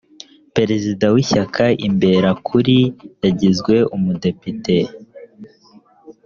perezida w’ ishyaka imberakuri yagizwe umudepite.